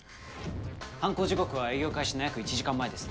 犯行時刻は営業開始の約１時間前ですね。